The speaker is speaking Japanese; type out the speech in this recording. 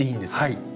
はい。